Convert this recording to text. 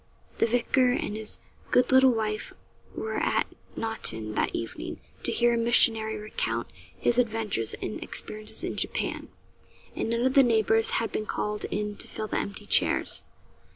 The vicar, and his good little wife, were at Naunton that evening to hear a missionary recount his adventures and experiences in Japan, and none of the neighbours had been called in to fill the empty chairs.